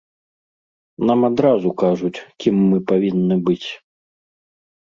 Нам адразу кажуць, кім мы павінны быць.